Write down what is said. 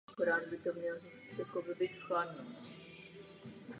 Mimo to organizuje besedy se sportovní tematikou pro sportovce i trenéry.